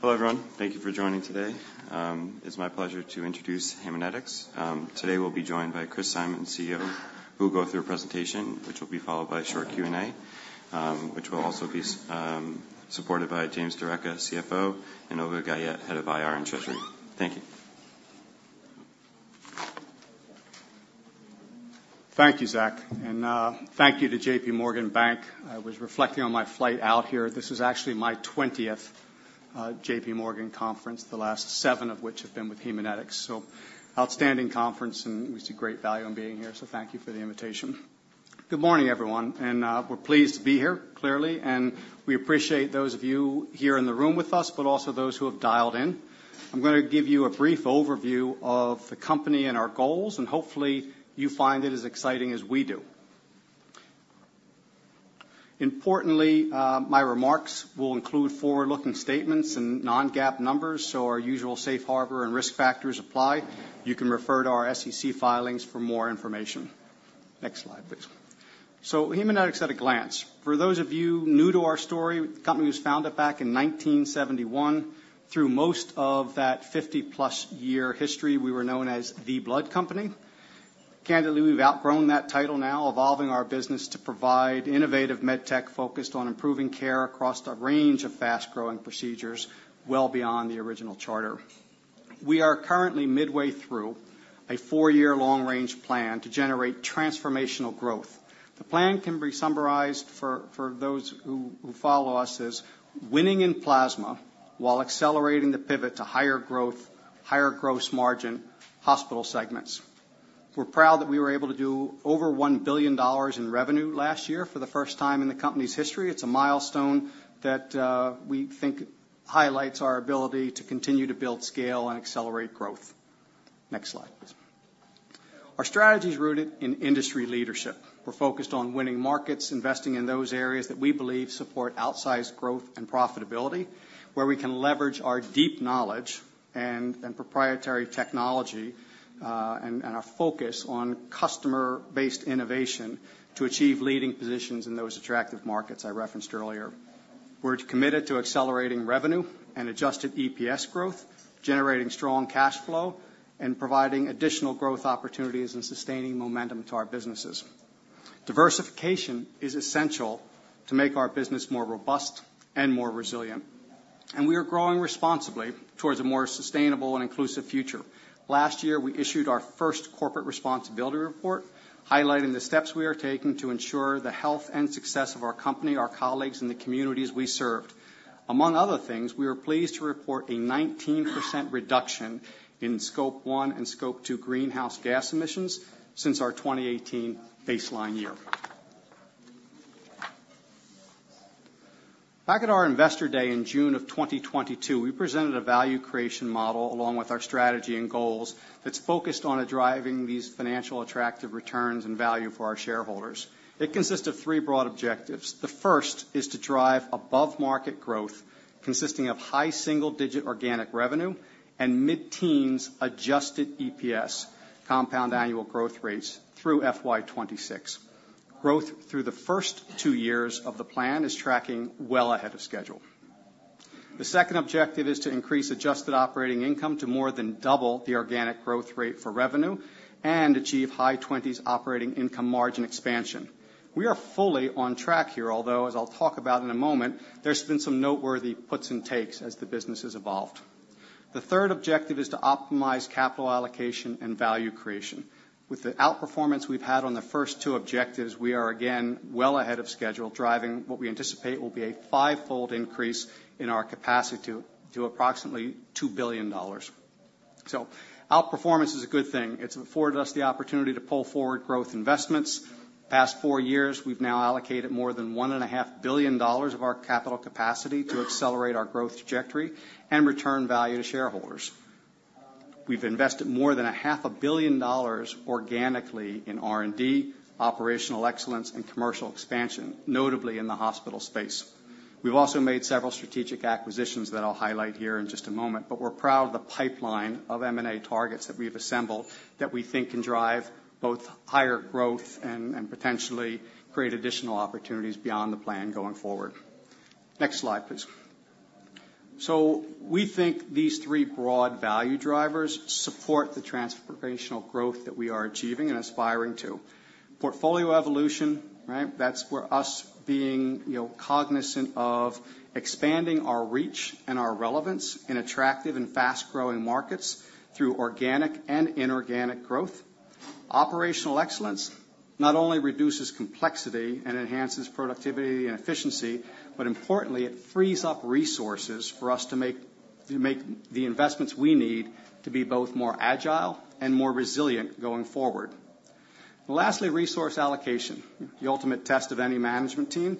Hello, everyone. Thank you for joining today. It's my pleasure to introduce Haemonetics. Today, we'll be joined by Chris Simon, CEO, who will go through a presentation, which will be followed by a short Q&A, which will also be supported by James D'Arecca, CFO, and Olga Guyette, Head of IR and Treasury. Thank you. Thank you, Zach, and thank you to J.P. Morgan Bank. I was reflecting on my flight out here, this is actually my 20th J.P. Morgan conference, the last seven of which have been with Haemonetics. So outstanding conference, and we see great value in being here, so thank you for the invitation. Good morning, everyone, and we're pleased to be here, clearly, and we appreciate those of you here in the room with us, but also those who have dialed in. I'm gonna give you a brief overview of the company and our goals, and hopefully, you find it as exciting as we do. Importantly, my remarks will include forward-looking statements and non-GAAP numbers, so our usual safe harbor and risk factors apply. You can refer to our SEC filings for more information. Next slide, please. So Haemonetics at a glance. For those of you new to our story, the company was founded back in 1971. Through most of that 50-plus year history, we were known as The Blood Company. Candidly, we've outgrown that title now, evolving our business to provide innovative med tech focused on improving care across a range of fast-growing procedures, well beyond the original charter. We are currently midway through a four-year long range plan to generate transformational growth. The plan can be summarized for those who follow us, as winning in plasma while accelerating the pivot to higher growth, higher gross margin hospital segments. We're proud that we were able to do over $1 billion in revenue last year for the first time in the company's history. It's a milestone that we think highlights our ability to continue to build scale and accelerate growth. Next slide, please. Our strategy is rooted in industry leadership. We're focused on winning markets, investing in those areas that we believe support outsized growth and profitability, where we can leverage our deep knowledge and proprietary technology, and our focus on customer-based innovation to achieve leading positions in those attractive markets I referenced earlier. We're committed to accelerating revenue and adjusted EPS growth, generating strong cash flow, and providing additional growth opportunities and sustaining momentum to our businesses. Diversification is essential to make our business more robust and more resilient, and we are growing responsibly towards a more sustainable and inclusive future. Last year, we issued our first corporate responsibility report, highlighting the steps we are taking to ensure the health and success of our company, our colleagues, and the communities we serve. Among other things, we are pleased to report a 19% reduction in Scope One and Scope Two greenhouse gas emissions since our 2018 baseline year. Back at our Investor Day in June 2022, we presented a value creation model, along with our strategy and goals, that's focused on driving these financial attractive returns and value for our shareholders. It consists of three broad objectives. The first is to drive above-market growth, consisting of high single-digit organic revenue and mid-teens adjusted EPS compound annual growth rates through FY 2026. Growth through the first two years of the plan is tracking well ahead of schedule. The second objective is to increase adjusted operating income to more than double the organic growth rate for revenue and achieve high twenties operating income margin expansion. We are fully on track here, although, as I'll talk about in a moment, there's been some noteworthy puts and takes as the business has evolved. The third objective is to optimize capital allocation and value creation. With the outperformance we've had on the first two objectives, we are again well ahead of schedule, driving what we anticipate will be a fivefold increase in our capacity to approximately $2 billion. So outperformance is a good thing. It's afforded us the opportunity to pull forward growth investments. Past four years, we've now allocated more than $1.5 billion of our capital capacity to accelerate our growth trajectory and return value to shareholders. We've invested more than $500 million organically in R&D, operational excellence, and commercial expansion, notably in the hospital space. We've also made several strategic acquisitions that I'll highlight here in just a moment, but we're proud of the pipeline of M&A targets that we've assembled, that we think can drive both higher growth and potentially create additional opportunities beyond the plan going forward. Next slide, please. So we think these three broad value drivers support the transformational growth that we are achieving and aspiring to. Portfolio evolution, right? That's where us being, you know, cognizant of expanding our reach and our relevance in attractive and fast-growing markets through organic and inorganic growth. Operational excellence not only reduces complexity and enhances productivity and efficiency, but importantly, it frees up resources for us to make the investments we need to be both more agile and more resilient going forward. Lastly, resource allocation, the ultimate test of any management team.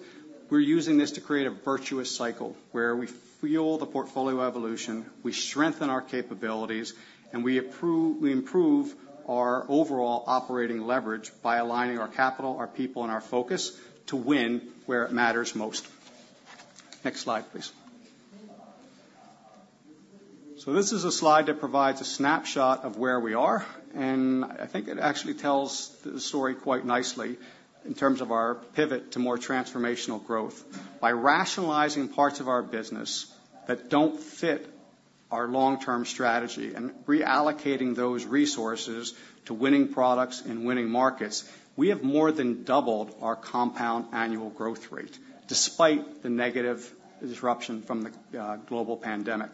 We're using this to create a virtuous cycle, where we fuel the portfolio evolution, we strengthen our capabilities, and we improve our overall operating leverage by aligning our capital, our people, and our focus to win where it matters most. Next slide, please. So this is a slide that provides a snapshot of where we are, and I think it actually tells the story quite nicely in terms of our pivot to more transformational growth. By rationalizing parts of our business that don't fit our long-term strategy and reallocating those resources to winning products and winning markets, we have more than doubled our compound annual growth rate, despite the negative disruption from the global pandemic.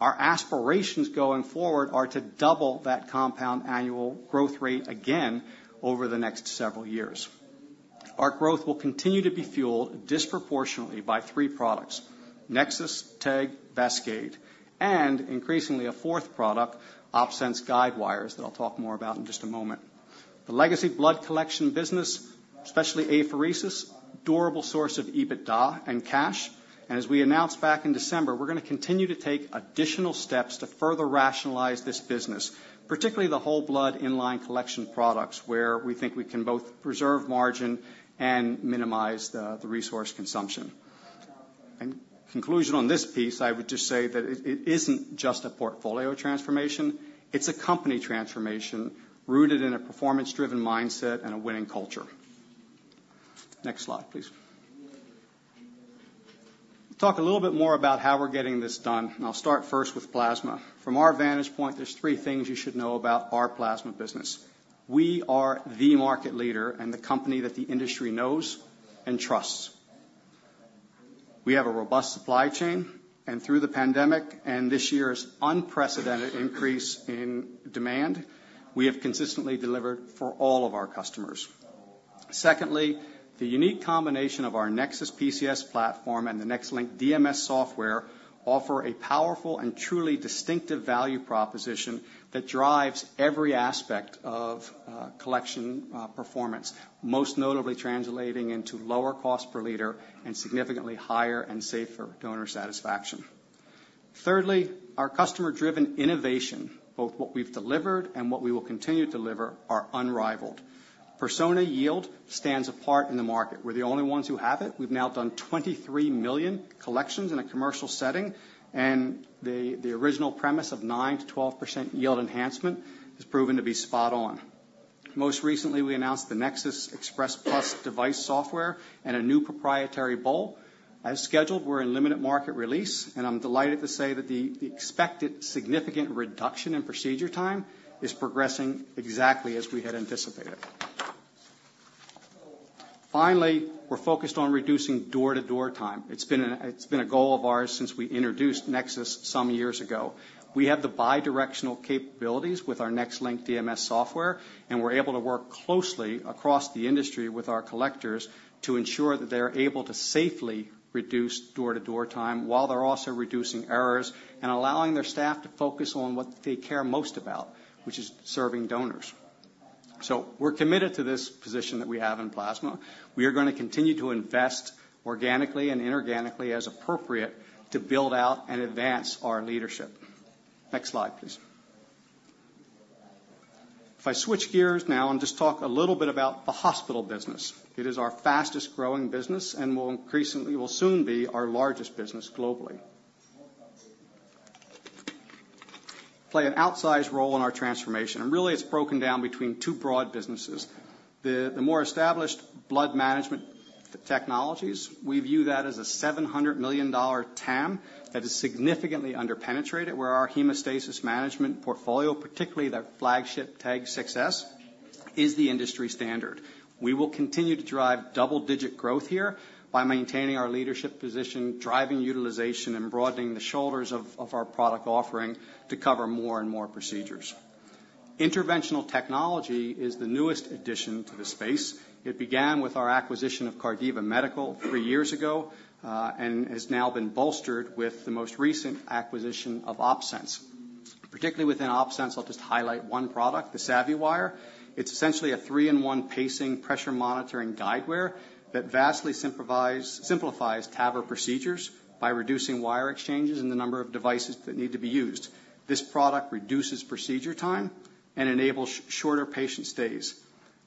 Our aspirations going forward are to double that compound annual growth rate again over the next several years. Our growth will continue to be fueled disproportionately by three products, NexSys, TEG, VASCADE, and increasingly, a fourth product, OpSens guidewire, that I'll talk more about in just a moment. The legacy blood collection business, especially apheresis, durable source of EBITDA and cash. As we announced back in December, we're gonna continue to take additional steps to further rationalize this business, particularly the whole blood inline collection products, where we think we can both preserve margin and minimize the resource consumption. In conclusion on this piece, I would just say that it isn't just a portfolio transformation, it's a company transformation, rooted in a performance-driven mindset and a winning culture. Next slide, please. Talk a little bit more about how we're getting this done, and I'll start first with plasma. From our vantage point, there's three things you should know about our plasma business. We are the market leader and the company that the industry knows and trusts. We have a robust supply chain, and through the pandemic, and this year's unprecedented increase in demand, we have consistently delivered for all of our customers. Secondly, the unique combination of our NexSys PCS platform and the NexLynk DMS software offers a powerful and truly distinctive value proposition that drives every aspect of collection performance, most notably translating into lower cost per liter and significantly higher and safer donor satisfaction. Thirdly, our customer-driven innovation, both what we've delivered and what we will continue to deliver, is unrivaled. Persona yield stands apart in the market. We're the only ones who have it. We've now done 23 million collections in a commercial setting, and the original premise of 9%-12% yield enhancement has proven to be spot on. Most recently, we announced the Nexus Express Plus device software and a new proprietary bowl. As scheduled, we're in limited market release, and I'm delighted to say that the expected significant reduction in procedure time is progressing exactly as we had anticipated. Finally, we're focused on reducing door-to-door time. It's been a goal of ours since we introduced Nexus some years ago. We have the bidirectional capabilities with our NexLynk DMS software, and we're able to work closely across the industry with our collectors to ensure that they're able to safely reduce door-to-door time, while they're also reducing errors and allowing their staff to focus on what they care most about, which is serving donors. So we're committed to this position that we have in plasma. We are gonna continue to invest organically and inorganically as appropriate, to build out and advance our leadership. Next slide, please. If I switch gears now and just talk a little bit about the hospital business. It is our fastest growing business and will increasingly, will soon be our largest business globally. Play an outsized role in our transformation, and really, it's broken down between two broad businesses. The more established blood management technologies, we view that as a $700 million TAM that is significantly under-penetrated, where our hemostasis management portfolio, particularly the flagship TEG 6s, is the industry standard. We will continue to drive double-digit growth here by maintaining our leadership position, driving utilization, and broadening the shoulders of our product offering to cover more and more procedures. Interventional technology is the newest addition to the space. It began with our acquisition of Cardiva Medical three years ago, and has now been bolstered with the most recent acquisition of OpSens. Particularly within OpSens, I'll just highlight one product, the SavvyWire. It's essentially a three-in-one pacing pressure monitoring guide wire that vastly simplifies TAVR procedures by reducing wire exchanges and the number of devices that need to be used. This product reduces procedure time and enables shorter patient stays.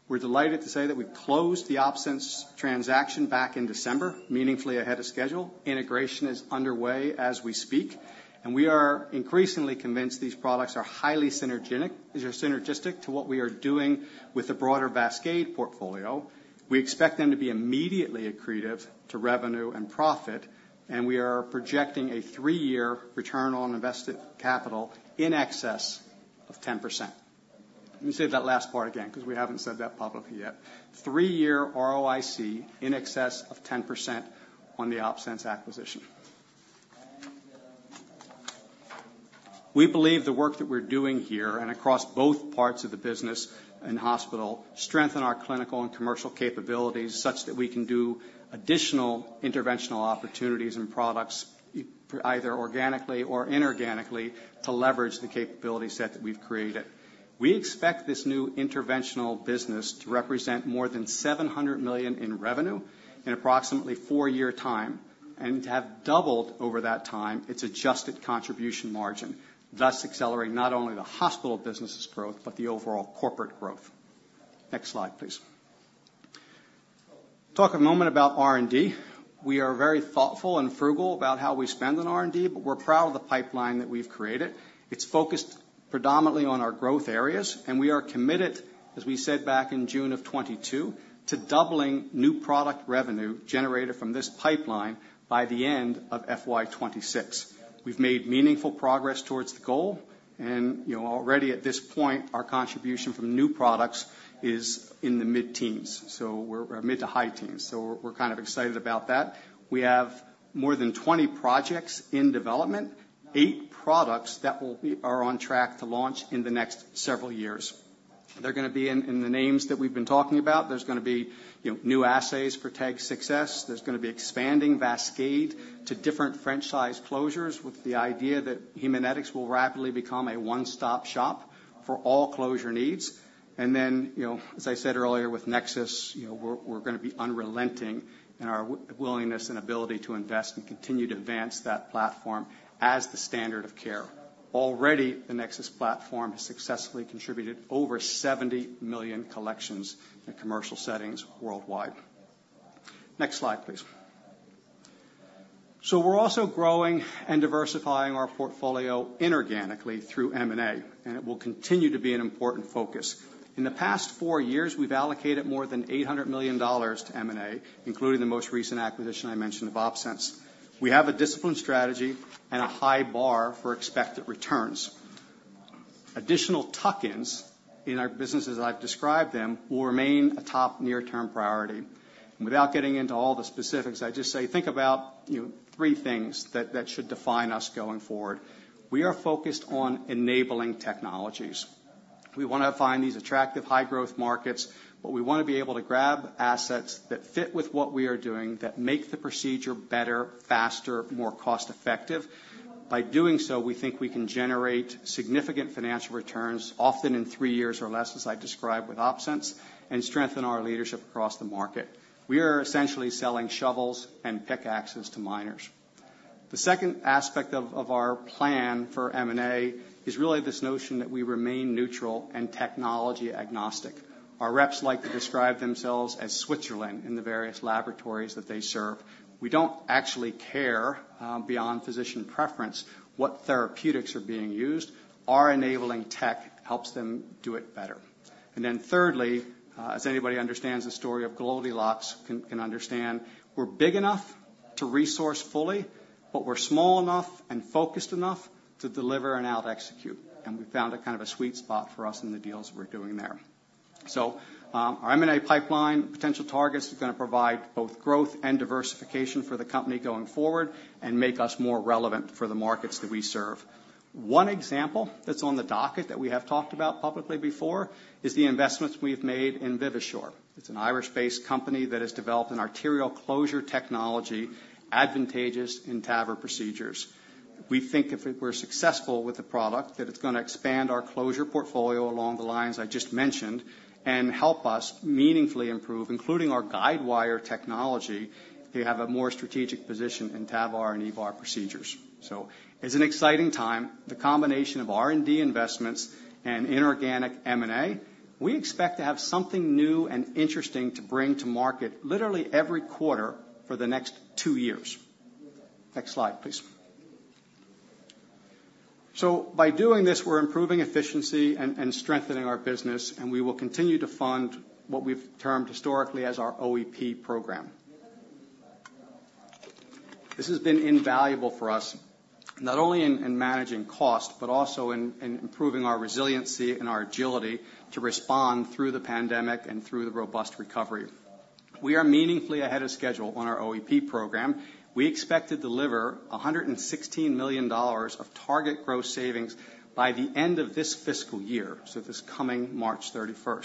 We're delighted to say that we closed the OpSens transaction back in December, meaningfully ahead of schedule. Integration is underway as we speak, and we are increasingly convinced these products are highly synergistic, these are synergistic to what we are doing with the broader VASCADE portfolio. We expect them to be immediately accretive to revenue and profit, and we are projecting a three-year return on invested capital in excess of 10%. Let me say that last part again, 'cause we haven't said that publicly yet. Three-year ROIC in excess of 10% on the OpSens acquisition. We believe the work that we're doing here and across both parts of the business and hospital strengthen our clinical and commercial capabilities, such that we can do additional interventional opportunities and products either organically or inorganically, to leverage the capability set that we've created. We expect this new interventional business to represent more than $700 million in revenue in approximately four-year time, and to have doubled over that time its adjusted contribution margin, thus accelerating not only the hospital business' growth, but the overall corporate growth. Next slide, please. Talk a moment about R&D. We are very thoughtful and frugal about how we spend on R&D, but we're proud of the pipeline that we've created. It's focused predominantly on our growth areas, and we are committed, as we said back in June of 2022, to doubling new product revenue generated from this pipeline by the end of FY 2026. We've made meaningful progress towards the goal, and, you know, already at this point, our contribution from new products is in the mid-teens, so we're or mid to high teens, so we're, we're kind of excited about that. We have more than 20 projects in development, 8 products that are on track to launch in the next several years. They're gonna be in the names that we've been talking about. There's gonna be, you know, new assays for TEG 6s. There's gonna be expanding VASCADE to different French size closures, with the idea that Haemonetics will rapidly become a one-stop shop for all closure needs. Then, you know, as I said earlier with Nexus, you know, we're gonna be unrelenting in our willingness and ability to invest and continue to advance that platform as the standard of care. Already, the Nexus platform has successfully contributed over 70 million collections in commercial settings worldwide. Next slide, please. We're also growing and diversifying our portfolio inorganically through M&A, and it will continue to be an important focus. In the past four years, we've allocated more than $800 million to M&A, including the most recent acquisition I mentioned, of OpSens. We have a disciplined strategy and a high bar for expected returns. Additional tuck-ins in our business, as I've described them, will remain a top near-term priority. Without getting into all the specifics, I just say, think about, you know, three things that should define us going forward. We are focused on enabling technologies. We wanna find these attractive, high-growth markets, but we wanna be able to grab assets that fit with what we are doing, that make the procedure better, faster, more cost-effective. By doing so, we think we can generate significant financial returns, often in three years or less, as I described with OpSens, and strengthen our leadership across the market. We are essentially selling shovels and pickaxes to miners. The second aspect of our plan for M&A is really this notion that we remain neutral and technology agnostic. Our reps like to describe themselves as Switzerland in the various laboratories that they serve. We don't actually care, beyond physician preference, what therapeutics are being used. Our enabling tech helps them do it better. And then thirdly, as anybody understands the story of Goldilocks, can understand, we're big enough to resource fully, but we're small enough and focused enough to deliver and out execute, and we found a kind of a sweet spot for us in the deals we're doing there. So, our M&A pipeline, potential targets, are gonna provide both growth and diversification for the company going forward and make us more relevant for the markets that we serve. One example that's on the docket that we have talked about publicly before, is the investments we've made in Vivasure. It's an Irish-based company that has developed an arterial closure technology, advantageous in TAVR procedures. We think if it, we're successful with the product, that it's gonna expand our closure portfolio along the lines I just mentioned, and help us meaningfully improve, including our guide wire technology, to have a more strategic position in TAVR and EVAR procedures. So it's an exciting time. The combination of R&D investments and inorganic M&A, we expect to have something new and interesting to bring to market literally every quarter for the next two years. Next slide, please. So by doing this, we're improving efficiency and strengthening our business, and we will continue to fund what we've termed historically as our OEP program. This has been invaluable for us, not only in managing cost, but also in improving our resiliency and our agility to respond through the pandemic and through the robust recovery. We are meaningfully ahead of schedule on our OEP program. We expect to deliver $116 million of target gross savings by the end of this fiscal year, so this coming March 31.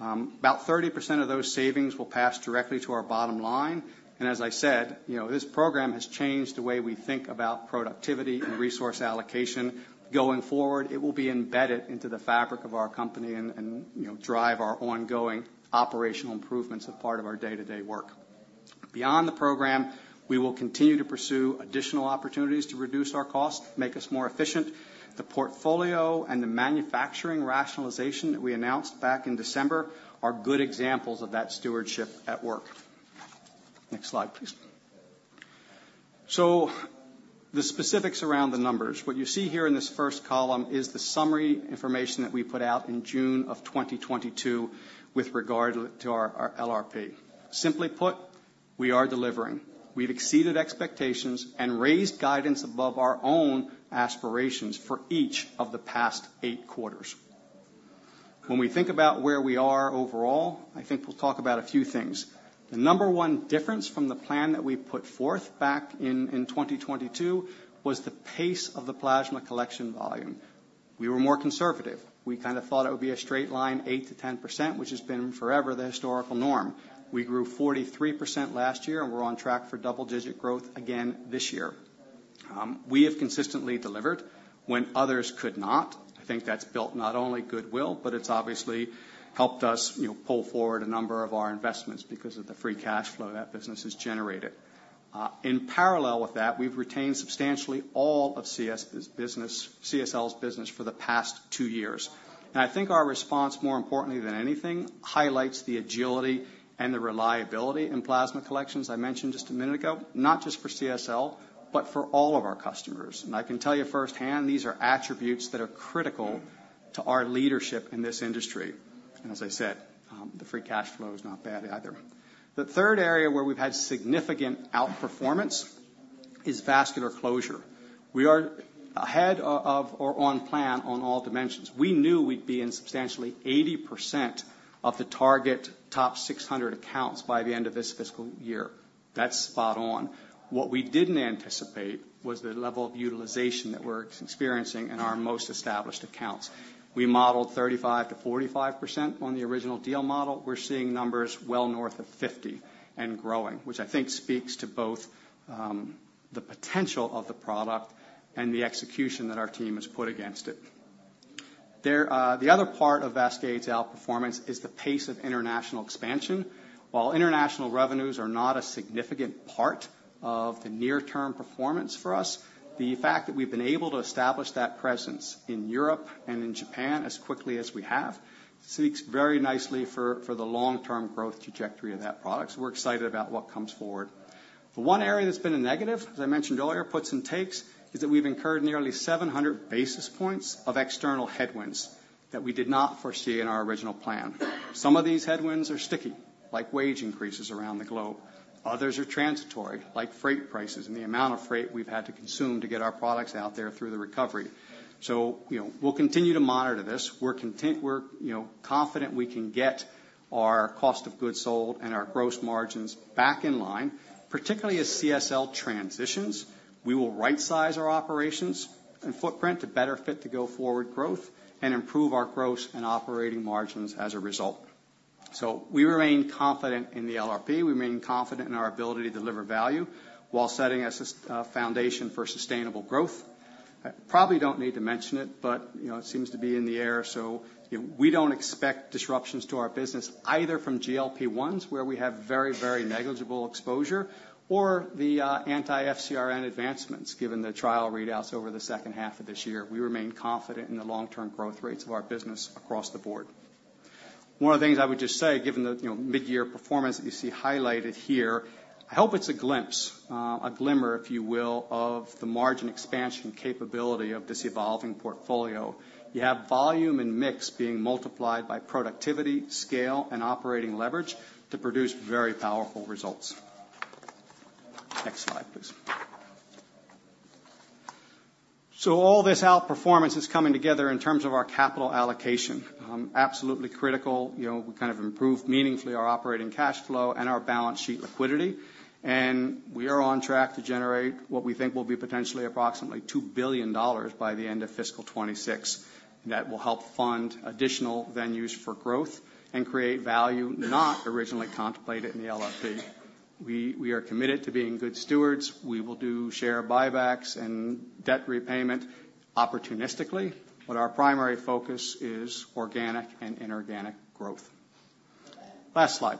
About 30% of those savings will pass directly to our bottom line, and as I said, you know, this program has changed the way we think about productivity and resource allocation. Going forward, it will be embedded into the fabric of our company and, you know, drive our ongoing operational improvements as part of our day-to-day work. Beyond the program, we will continue to pursue additional opportunities to reduce our costs, make us more efficient. The portfolio and the manufacturing rationalization that we announced back in December are good examples of that stewardship at work. Next slide, please. So the specifics around the numbers. What you see here in this first column is the summary information that we put out in June 2022 with regard to our LRP. Simply put, we are delivering. We've exceeded expectations and raised guidance above our own aspirations for each of the past Q8. When we think about where we are overall, I think we'll talk about a few things. The number one difference from the plan that we put forth back in 2022 was the pace of the plasma collection volume. We were more conservative. We kind of thought it would be a straight line, 8%-10%, which has been forever the historical norm. We grew 43% last year, and we're on track for double-digit growth again this year. We have consistently delivered when others could not. I think that's built not only goodwill, but it's obviously helped us, you know, pull forward a number of our investments because of the free cash flow that business has generated. In parallel with that, we've retained substantially all of CSL's business for the past two years. And I think our response, more importantly than anything, highlights the agility and the reliability in plasma collections I mentioned just a minute ago, not just for CSL, but for all of our customers. And I can tell you firsthand, these are attributes that are critical to our leadership in this industry. And as I said, the free cash flow is not bad either. The third area where we've had significant outperformance is vascular closure. We are ahead of, or on plan on all dimensions. We knew we'd be in substantially 80% of the target top 600 accounts by the end of this fiscal year. That's spot on. What we didn't anticipate was the level of utilization that we're experiencing in our most established accounts. We modeled 35%-45% on the original deal model. We're seeing numbers well north of 50% and growing, which I think speaks to both the potential of the product and the execution that our team has put against it. The other part of VASCADE's outperformance is the pace of international expansion. While international revenues are not a significant part of the near-term performance for us, the fact that we've been able to establish that presence in Europe and in Japan as quickly as we have, speaks very nicely for the long-term growth trajectory of that product, so we're excited about what comes forward. The one area that's been a negative, as I mentioned earlier, puts and takes, is that we've incurred nearly 700 basis points of external headwinds that we did not foresee in our original plan. Some of these headwinds are sticky, like wage increases around the globe. Others are transitory, like freight prices and the amount of freight we've had to consume to get our products out there through the recovery. So, you know, we'll continue to monitor this. We're content. We're, you know, confident we can get our cost of goods sold and our gross margins back in line. Particularly as CSL transitions, we will rightsize our operations and footprint to better fit the go-forward growth and improve our gross and operating margins as a result. So we remain confident in the LRP. We remain confident in our ability to deliver value while setting a foundation for sustainable growth. I probably don't need to mention it, but, you know, it seems to be in the air, so we don't expect disruptions to our business, either from GLP-1s, where we have very, very negligible exposure, or the anti-FcRn advancements, given the trial readouts over the second half of this year. We remain confident in the long-term growth rates of our business across the board. One of the things I would just say, given the, you know, mid-year performance that you see highlighted here, I hope it's a glimpse, a glimmer, if you will, of the margin expansion capability of this evolving portfolio. You have volume and mix being multiplied by productivity, scale, and operating leverage to produce very powerful results. Next slide, please. So all this outperformance is coming together in terms of our capital allocation. Absolutely critical, you know, we kind of improved meaningfully our operating cash flow and our balance sheet liquidity, and we are on track to generate what we think will be potentially approximately $2 billion by the end of fiscal 2026. That will help fund additional venues for growth and create value not originally contemplated in the LRP. We are committed to being good stewards. We will do share buybacks and debt repayment opportunistically, but our primary focus is organic and inorganic growth. Last slide.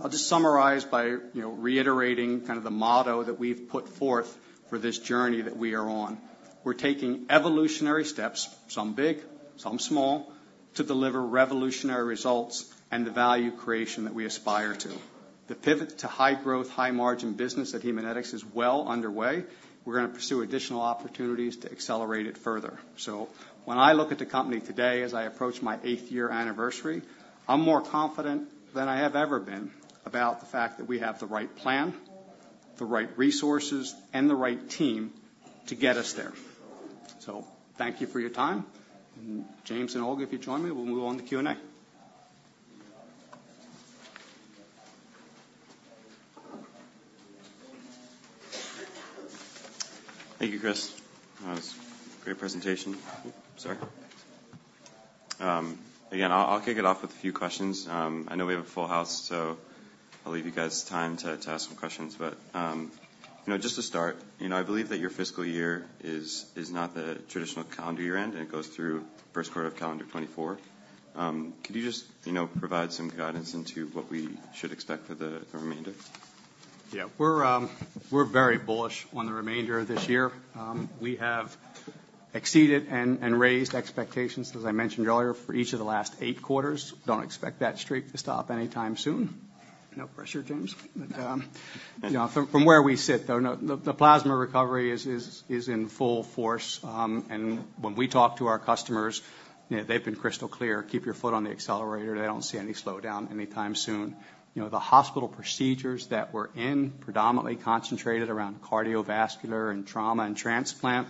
I'll just summarize by, you know, reiterating kind of the motto that we've put forth for this journey that we are on. We're taking evolutionary steps, some big, some small, to deliver revolutionary results and the value creation that we aspire to. The pivot to high growth, high margin business at Haemonetics is well underway. We're gonna pursue additional opportunities to accelerate it further. So when I look at the company today, as I approach my eighth year anniversary, I'm more confident than I have ever been about the fact that we have the right plan, the right resources, and the right team to get us there. So thank you for your time. And James and Olga, if you join me, we'll move on to Q&A. Thank you, Chris. That was a great presentation. Sorry. Again, I'll kick it off with a few questions. I know we have a full house, so I'll leave you guys time to ask some questions. But, you know, just to start, you know, I believe that your fiscal year is not the traditional calendar year end, and it goes through first quarter of calendar 2024. Could you just, you know, provide some guidance into what we should expect for the remainder? Yeah. We're very bullish on the remainder of this year. We have exceeded and raised expectations, as I mentioned earlier, for each of the last eight quarters. Don't expect that streak to stop anytime soon. No pressure, James. But you know, from where we sit, though, the plasma recovery is in full force. And when we talk to our customers, you know, they've been crystal clear: "Keep your foot on the accelerator." They don't see any slowdown anytime soon. You know, the hospital procedures that we're in, predominantly concentrated around cardiovascular and trauma and transplant,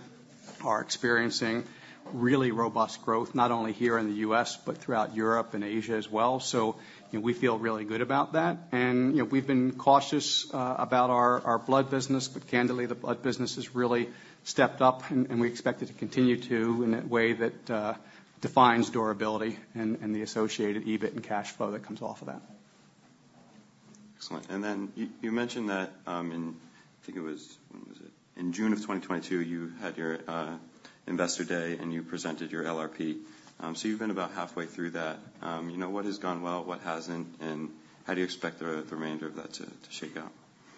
are experiencing really robust growth, not only here in the U.S., but throughout Europe and Asia as well. So, you know, we feel really good about that. You know, we've been cautious about our blood business, but candidly, the blood business has really stepped up, and we expect it to continue to in a way that defines durability and the associated EBIT and cash flow that comes off of that. Excellent. And then you mentioned that, in I think it was— In June of 2022, you had your Investor Day, and you presented your LRP. So you've been about halfway through that. You know, what has gone well, what hasn't, and how do you expect the remainder of that to shake out?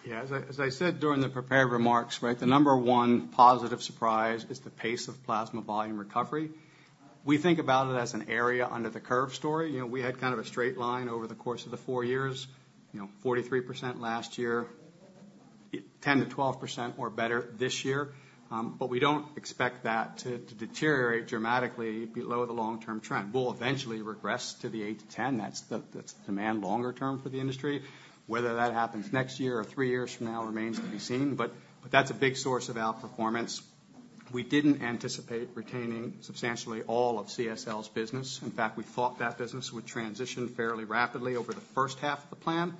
Yeah, as I said during the prepared remarks, right? The number one positive surprise is the pace of plasma volume recovery. We think about it as an area under the curve story. You know, we had kind of a straight line over the course of the four years, you know, 43% last year, 10%-12% or better this year. But we don't expect that to deteriorate dramatically below the long-term trend. We'll eventually regress to the 8-10. That's the demand longer term for the industry. Whether that happens next year or three years from now remains to be seen, but that's a big source of outperformance. We didn't anticipate retaining substantially all of CSL's business. In fact, we thought that business would transition fairly rapidly over the first half of the plan.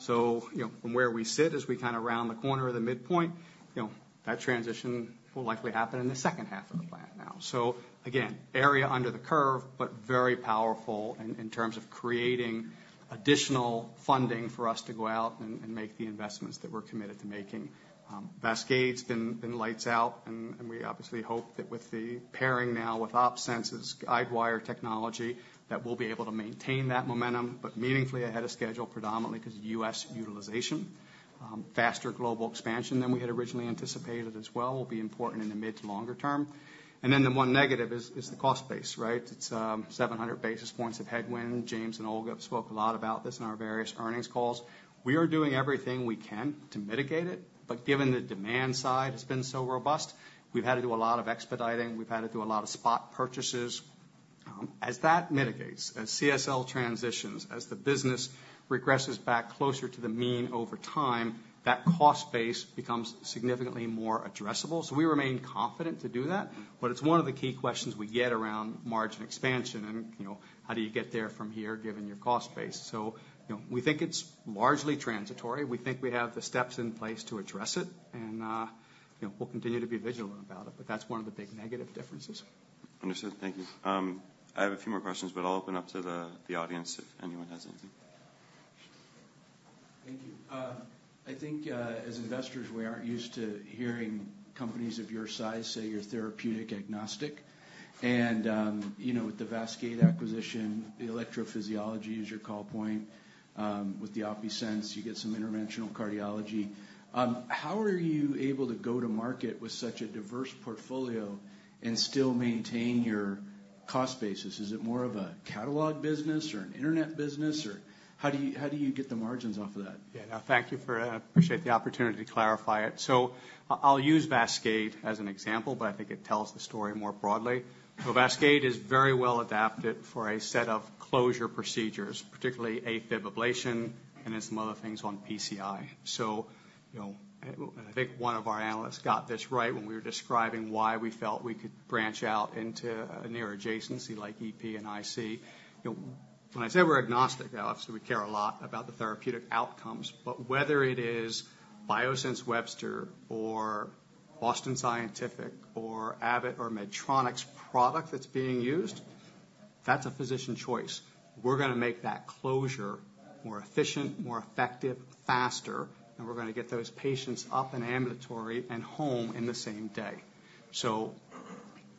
So, you know, from where we sit, as we kind of round the corner of the midpoint, you know, that transition will likely happen in the second half of the plan now. So again, area under the curve, but very powerful in terms of creating additional funding for us to go out and make the investments that we're committed to making. VASCADE's been lights out, and we obviously hope that with the pairing now with OpSens' guidewire technology, that we'll be able to maintain that momentum, but meaningfully ahead of schedule, predominantly because of U.S. utilization. Faster global expansion than we had originally anticipated as well, will be important in the mid to longer term. And then the one negative is the cost base, right? It's 700 basis points of headwind. James and Olga have spoke a lot about this in our various earnings calls. We are doing everything we can to mitigate it, but given the demand side has been so robust, we've had to do a lot of expediting. We've had to do a lot of spot purchases. As that mitigates, as CSL transitions, as the business regresses back closer to the mean over time, that cost base becomes significantly more addressable. So we remain confident to do that, but it's one of the key questions we get around margin expansion and, you know, how do you get there from here, given your cost base? So, you know, we think it's largely transitory. We think we have the steps in place to address it, and, you know, we'll continue to be vigilant about it, but that's one of the big negative differences. Understood. Thank you. I have a few more questions, but I'll open up to the audience, if anyone has anything. Thank you. I think, as investors, we aren't used to hearing companies of your size say you're therapeutic agnostic. You know, with the VASCADE acquisition, the electrophysiology is your call point. With the OpSens, you get some interventional cardiology. How are you able to go to market with such a diverse portfolio and still maintain your cost basis? Is it more of a catalog business or an internet business, or how do you, how do you get the margins off of that? Yeah. Thank you for that. I appreciate the opportunity to clarify it. So I'll use VASCADE as an example, but I think it tells the story more broadly. So VASCADE is very well adapted for a set of closure procedures, particularly AFib ablation and then some other things on PCI. So, you know, I think one of our analysts got this right when we were describing why we felt we could branch out into a near adjacency like EP and IC. You know, when I say we're agnostic, obviously we care a lot about the therapeutic outcomes, but whether it is Biosense Webster or Boston Scientific or Abbott or Medtronic's product that's being used, that's a physician choice. We're going to make that closure more efficient, more effective, faster, and we're going to get those patients up and ambulatory and home in the same day. So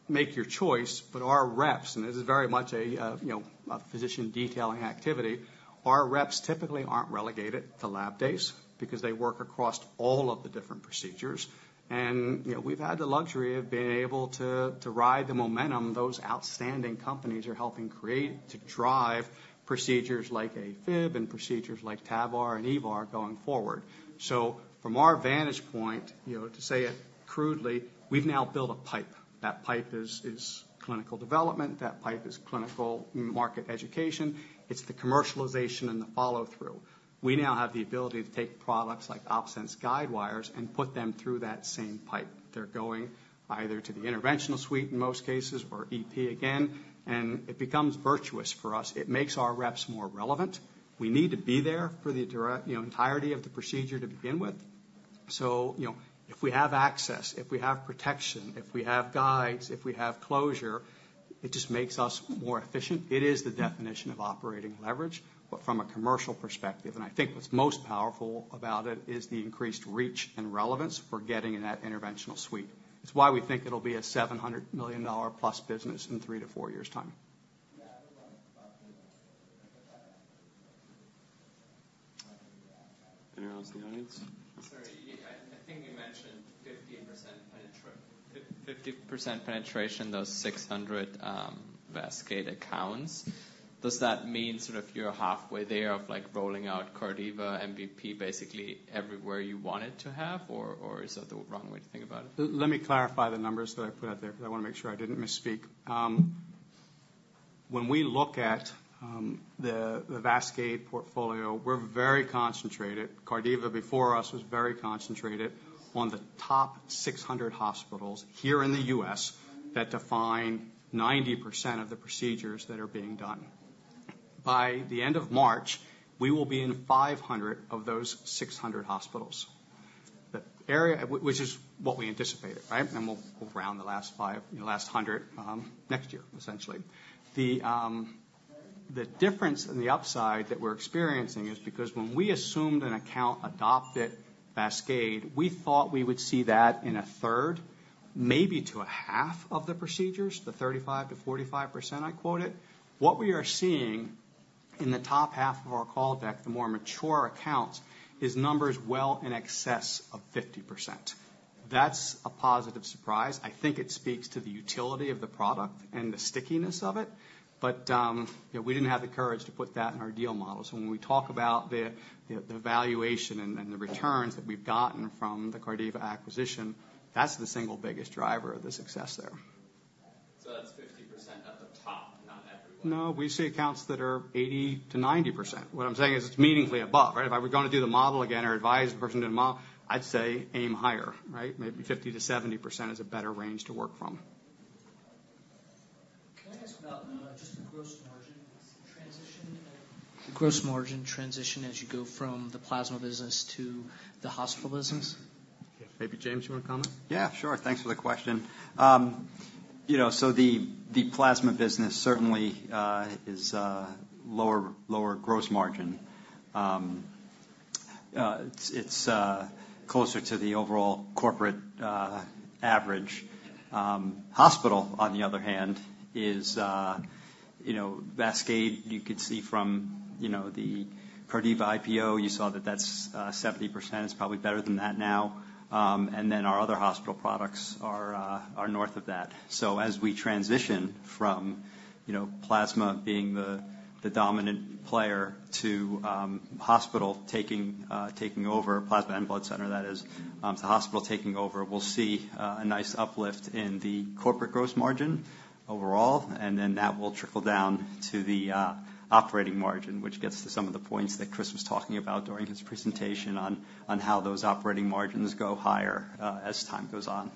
make your choice, but our reps, and this is very much a, you know, a physician detailing activity, our reps typically aren't relegated to lab days because they work across all of the different procedures. And, you know, we've had the luxury of being able to, to ride the momentum those outstanding companies are helping create to drive procedures like AFib and procedures like TAVR and EVAR going forward. So from our vantage point, you know, to say it crudely, we've now built a pipe. That pipe is, is clinical development. That pipe is clinical market education. It's the commercialization and the follow-through. We now have the ability to take products like OpSens guide wires and put them through that same pipe. They're going either to the interventional suite, in most cases, or EP again, and it becomes virtuous for us. It makes our reps more relevant. We need to be there for the direct, you know, entirety of the procedure to begin with. So, you know, if we have access, if we have protection, if we have guides, if we have closure, it just makes us more efficient. It is the definition of operating leverage, but from a commercial perspective. And I think what's most powerful about it is the increased reach and relevance for getting in that interventional suite. It's why we think it'll be a $700 million plus business in 3-4 years' time. Yeah. Anyone else in the audience? Sorry. I think you mentioned 15% penetra- 50, 50% penetration, those 600 VASCADE accounts. Does that mean sort of you're halfway there of, like, rolling out Cardiva MVP, basically everywhere you want it to have, or, or is that the wrong way to think about it? Let me clarify the numbers that I put out there, because I want to make sure I didn't misspeak. When we look at the Vascade portfolio, we're very concentrated. Cardiva, before us, was very concentrated on the top 600 hospitals here in the U.S. that define 90% of the procedures that are being done. By the end of March, we will be in 500 of those 600 hospitals. Which is what we anticipated, right? And we'll round the last 100 next year, essentially. The difference in the upside that we're experiencing is because when we assumed an account adopted Vascade, we thought we would see that in a third, maybe to a half of the procedures, the 35%-45% I quoted. What we are seeing in the top half of our call deck, the more mature accounts, is numbers well in excess of 50%. That's a positive surprise. I think it speaks to the utility of the product and the stickiness of it, but, you know, we didn't have the courage to put that in our deal model. So when we talk about the valuation and the returns that we've gotten from the Cardiva acquisition, that's the single biggest driver of the success there. So that's 50% at the top, not everywhere? No, we see accounts that are 80%-90%. What I'm saying is it's meaningfully above, right? If I were going to do the model again or advise the person to do the model, I'd say aim higher, right? Maybe 50%-70% is a better range to work from. Can I ask about, just the gross margin transition, gross margin transition as you go from the plasma business to the hospital business? Maybe, James, you want to comment? Yeah, sure. Thanks for the question. You know, so the plasma business certainly is lower, lower gross margin. It's closer to the overall corporate average. Hospital, on the other hand, is, you know, Vascade. You could see from, you know, the Cardiva IPO, you saw that that's 70%. It's probably better than that now. And then our other hospital products are north of that. So as we transition from, you know, plasma being the dominant player to, hospital taking over, plasma and blood center, that is, to hospital taking over, we'll see a nice uplift in the corporate gross margin overall, and then that will trickle down to the operating margin, which gets to some of the points that Chris was talking about during his presentation on how those operating margins go higher, as time goes on.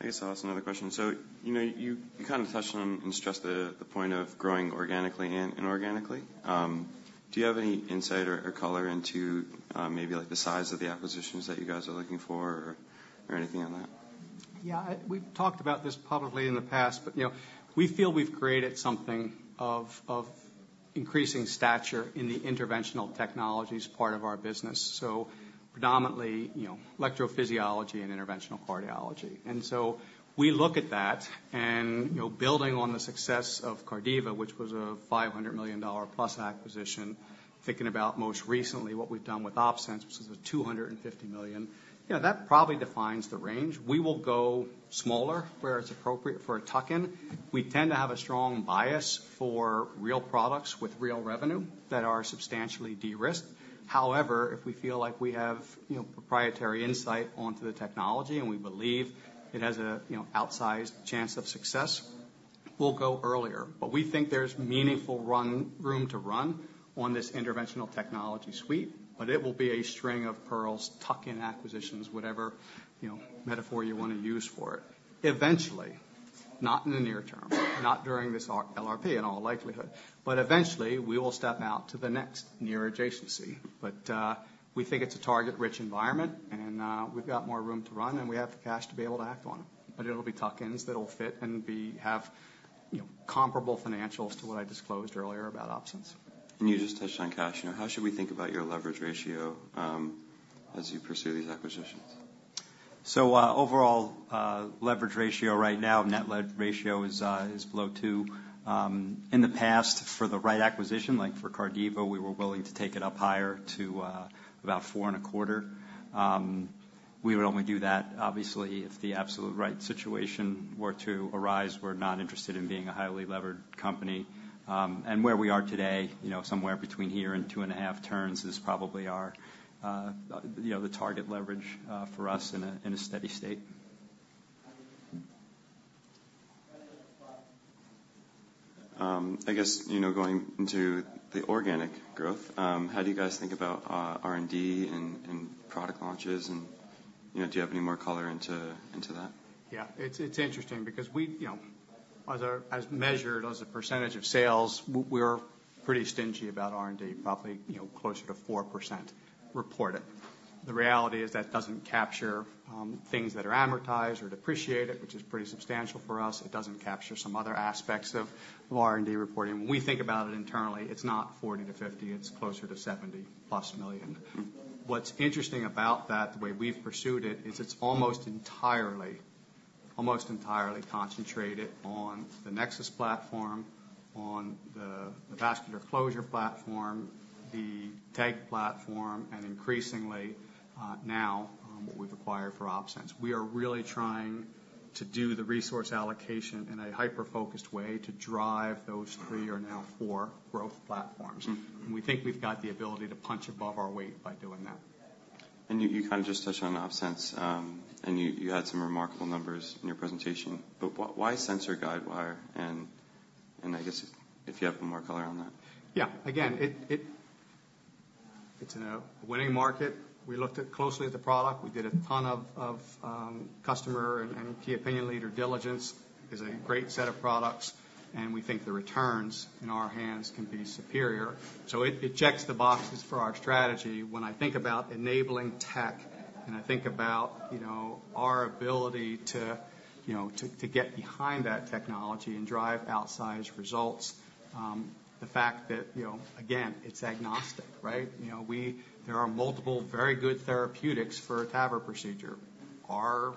I guess I'll ask another question. So, you know, you kind of touched on and stressed the point of growing organically and inorganically. Do you have any insight or color into maybe, like, the size of the acquisitions that you guys are looking for or anything on that? Yeah, I—we've talked about this publicly in the past, but, you know, we feel we've created something of increasing stature in the interventional technologies part of our business, so predominantly, you know, electrophysiology and interventional cardiology. And so we look at that, and, you know, building on the success of Cardiva, which was a $500 million plus acquisition, thinking about most recently what we've done with OpSens, which is a $250 million, you know, that probably defines the range. We will go smaller where it's appropriate for a tuck-in. We tend to have a strong bias for real products with real revenue that are substantially de-risked. However, if we feel like we have, you know, proprietary insight onto the technology, and we believe it has a, you know, outsized chance of success, we'll go earlier. But we think there's meaningful room to run on this interventional technology suite, but it will be a string of pearls, tuck-in acquisitions, whatever, you know, metaphor you wanna use for it. Eventually, not in the near term, not during this our LRP, in all likelihood, but eventually, we will step out to the next near adjacency. But we think it's a target-rich environment, and we've got more room to run, and we have the cash to be able to act on it, but it'll be tuck-ins that will fit and be—have, you know, comparable financials to what I disclosed earlier about OpSens. You just touched on cash, you know, how should we think about your leverage ratio, as you pursue these acquisitions? Overall, leverage ratio right now, net debt ratio is below two. In the past, for the right acquisition, like for Cardiva, we were willing to take it up higher to about 4.25. We would only do that, obviously, if the absolute right situation were to arise. We're not interested in being a highly levered company. Where we are today, you know, somewhere between here and 2.5 turns is probably our, you know, the target leverage for us in a steady state. I guess, you know, going into the organic growth, how do you guys think about R&D and product launches and, you know, do you have any more color into that? Yeah, it's interesting because we, you know, as measured, as a percentage of sales, we're pretty stingy about R&D, probably, you know, closer to 4% reported. The reality is that doesn't capture things that are amortized or depreciated, which is pretty substantial for us. It doesn't capture some other aspects of R&D reporting. When we think about it internally, it's not 40-50, it's closer to $70+ million. What's interesting about that, the way we've pursued it, is it's almost entirely, almost entirely concentrated on the Nexus platform, on the Vascular Closure platform, the TEG platform, and increasingly, now on what we've acquired for OpSens. We are really trying to do the resource allocation in a hyper-focused way to drive those three or now four growth platforms. Mm-hmm. We think we've got the ability to punch above our weight by doing that. You kind of just touched on OpSens, and you had some remarkable numbers in your presentation, but why sensor guidewire? And I guess if you have more color on that. Yeah. Again, it's in a winning market. We looked closely at the product. We did a ton of customer key opinion leader diligence. It's a great set of products, and we think the returns in our hands can be superior. So it checks the boxes for our strategy. When I think about enabling tech, and I think about, you know, our ability to, you know, to get behind that technology and drive outsized results, the fact that, you know, again, it's agnostic, right? You know, there are multiple very good therapeutics for a TAVR procedure. Our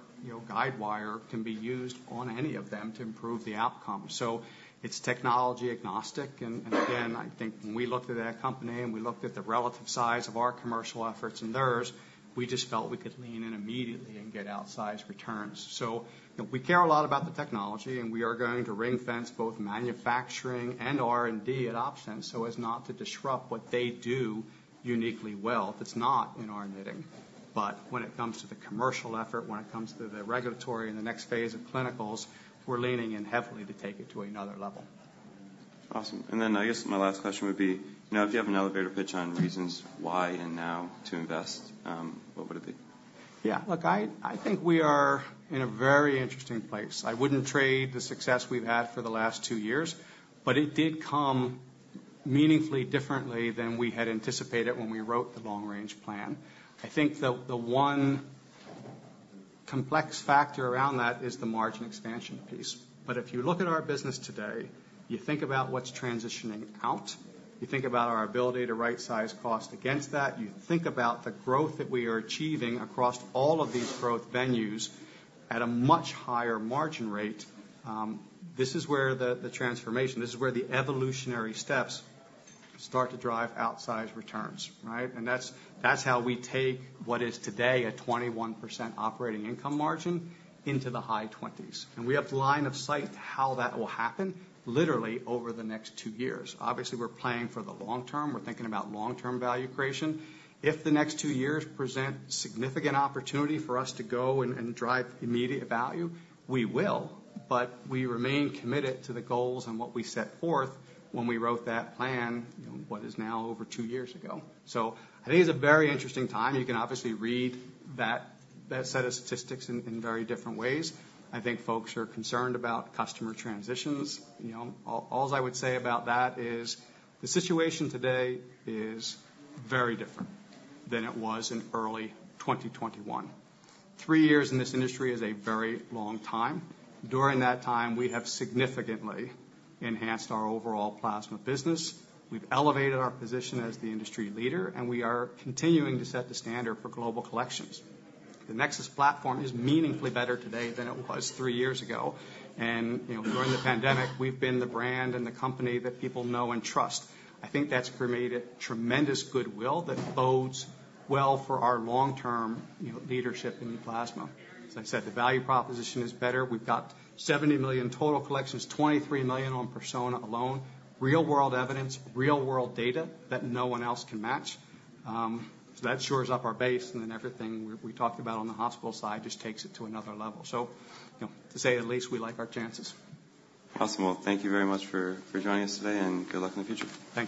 guide wire can be used on any of them to improve the outcome. So it's technology agnostic. And, again, I think when we looked at that company, and we looked at the relative size of our commercial efforts and theirs, we just felt we could lean in immediately and get outsized returns. So, you know, we care a lot about the technology, and we are going to ring-fence both manufacturing and R&D at OpSens, so as not to disrupt what they do uniquely well, that's not in our knitting. But when it comes to the commercial effort, when it comes to the regulatory and the next phase of clinicals, we're leaning in heavily to take it to another level. Awesome. I guess my last question would be, you know, if you have an elevator pitch on reasons why and now to invest, what would it be? Yeah. Look, I think we are in a very interesting place. I wouldn't trade the success we've had for the last two years, but it did come meaningfully differently than we had anticipated when we wrote the long-range plan. I think the one complex factor around that is the margin expansion piece. But if you look at our business today, you think about what's transitioning out, you think about our ability to rightsize cost against that, you think about the growth that we are achieving across all of these growth venues at a much higher margin rate, this is where the transformation, this is where the evolutionary steps start to drive outsized returns, right? And that's how we take what is today a 21% operating income margin into the high 20s%. We have line of sight how that will happen literally over the next two years. Obviously, we're planning for the long term. We're thinking about long-term value creation. If the next two years present significant opportunity for us to go and, and drive immediate value, we will, but we remain committed to the goals and what we set forth when we wrote that plan, you know, what is now over two years ago. I think it's a very interesting time. You can obviously read that, that set of statistics in, in very different ways. I think folks are concerned about customer transitions. You know, all, all I would say about that is the situation today is very different than it was in early 2021. Three years in this industry is a very long time. During that time, we have significantly enhanced our overall plasma business. We've elevated our position as the industry leader, and we are continuing to set the standard for global collections. The NexSys platform is meaningfully better today than it was three years ago, and, you know, during the pandemic, we've been the brand and the company that people know and trust. I think that's created tremendous goodwill that bodes well for our long-term, you know, leadership in plasma. As I said, the value proposition is better. We've got 70 million total collections, 23 million on Persona alone. Real-world evidence, real-world data that no one else can match. So that shores up our base, and then everything we talked about on the hospital side just takes it to another level. So, you know, to say the least, we like our chances. Awesome. Well, thank you very much for joining us today, and good luck in the future. Thank you.